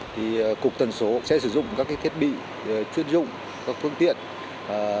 thì cục tần số sẽ sử dụng các cái thiết bị chuyên dụng các phương tiện để đích hướng